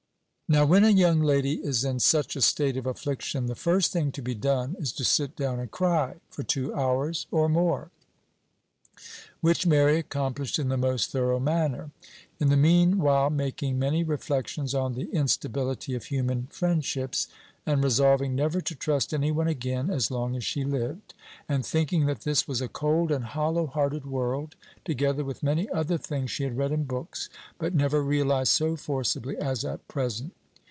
Now, when a young lady is in such a state of affliction, the first thing to be done is to sit down and cry for two hours or more, which Mary accomplished in the most thorough manner; in the mean while making many reflections on the instability of human friendships, and resolving never to trust any one again as long as she lived, and thinking that this was a cold and hollow hearted world, together with many other things she had read in books, but never realized so forcibly as at present.